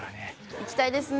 行きたいですね。